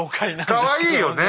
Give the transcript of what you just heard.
かわいいよね。